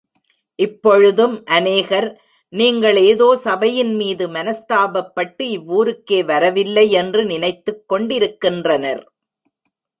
இப்பொழுதும், அநேகர் நீங்கள் ஏதோ சபையின்மீது மனஸ்தாபப்பட்டு இவ்வூருக்கே வரவில்லை யென்று நினைத்துக் கொண்டிருக்கின்றனர்.